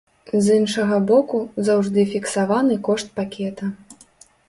З іншага боку, заўжды фіксаваны кошт пакета.